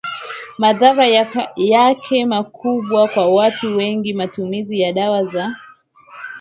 madhara yake makubwa Kwa watu wengi matumizi ya dawa za